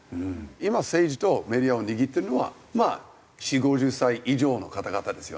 今政治とメディアを握ってるのはまあ４０５０歳以上の方々ですよね。